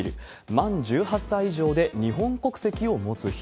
満１８歳以上で日本国籍を持つ人。